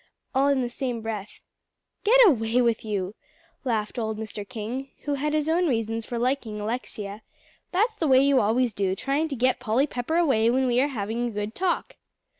all in the same breath. "Get away with you," laughed old Mr. King, who had his own reasons for liking Alexia, "that's the way you always do, trying to get Polly Pepper away when we are having a good talk."